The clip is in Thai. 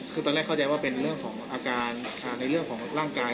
คือตอนแรกเข้าใจว่าเป็นเรื่องของอาการในเรื่องของร่างกาย